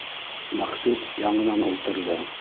Мәҡсүт яңынан ултырҙы.